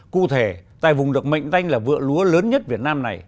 cụ thể tại vùng được mệnh danh là vựa lúa lớn nhất việt nam này